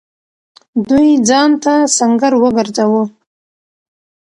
دوی ځان ته سنګر وگرځاوه.